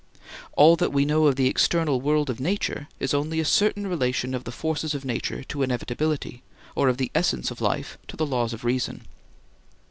All that we know of the external world of nature is only a certain relation of the forces of nature to inevitability, or of the essence of life to the laws of reason.